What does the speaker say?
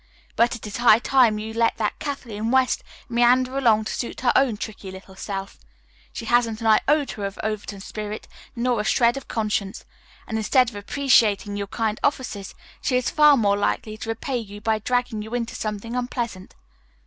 But it is high time you let that Kathleen West meander along to suit her own tricky little self. She hasn't an iota of Overton spirit nor a shred of conscience, and instead of appreciating your kind offices she is far more likely to repay you by dragging you into something unpleasant.